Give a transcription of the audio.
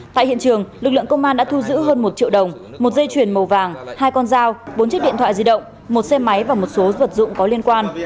tại hiện trường lực lượng công an đã thu giữ hơn một triệu đồng một dây chuyền màu vàng hai con dao bốn chiếc điện thoại di động một xe máy và một số vật dụng có liên quan